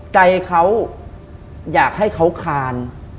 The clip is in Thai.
ใจเขาอยากให้เขาคาน